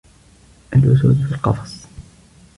الأُسود في القفص.